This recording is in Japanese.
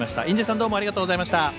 印出さんありがとうございました。